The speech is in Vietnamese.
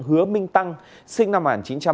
hứa minh tăng sinh năm một nghìn chín trăm bảy mươi